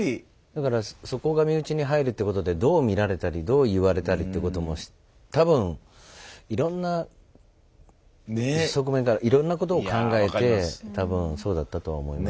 だからそこが身内に入るってことでどう見られたりどう言われたりってことも多分いろんな側面からいろんなことを考えて多分そうだったとは思いますけど。